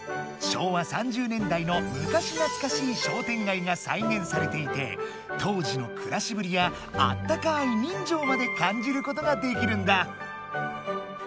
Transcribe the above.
昭和３０年代のむかしなつかしい商店街が再現されていて当時のくらしぶりやあったかいにんじょうまで感じることができるんだ。